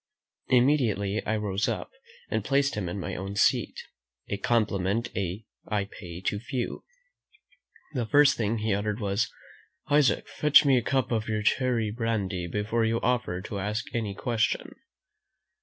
Immediately I rose up, and placed him in my own seat; a compliment I pay to few. The first thing he uttered was, "Isaac, fetch me a cup of your cherry brandy before you offer to ask any question."